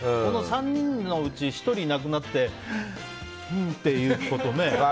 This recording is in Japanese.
３人のうち１人いなくなってうーんっていうことね。